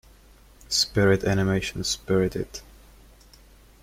Spirit animation Spirited.